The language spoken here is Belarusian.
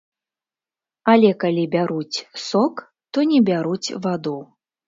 Але калі бяруць сок, то не бяруць ваду.